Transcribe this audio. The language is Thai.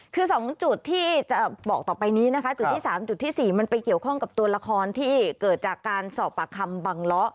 คือ๒จุดที่จะบอกต่อไปนี้นะคะจุดที่๓จุดที่๔มันไปเกี่ยวข้องกับตัวละครที่เกิดจากการสอบปากคำบังล้อ